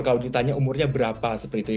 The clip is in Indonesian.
kalau ditanya umurnya berapa seperti itu